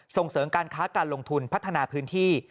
ส่งเสริมการค้าการลงทุนพัฒนาพื้นที่